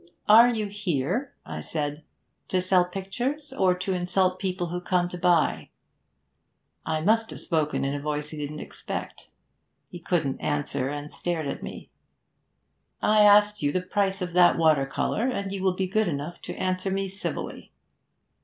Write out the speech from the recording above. "Are you here," I said, "to sell pictures, or to insult people who come to buy?" I must have spoken in a voice he didn't expect; he couldn't answer, and stared at me. "I asked you the price of that water colour, and you will be good enough to answer me civilly."